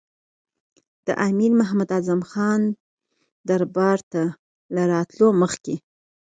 د امیر محمد اعظم خان دربار ته له راتللو مخکې.